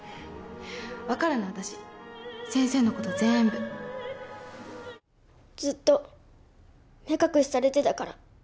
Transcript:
「分かるの私先生のことぜんぶ」「ずっと目隠しされてたから」